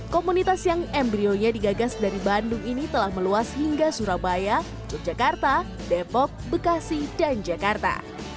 komunitas yang embryonya digagas dari bandung ini telah meluas hingga surabaya yogyakarta depok bekasi dan jakarta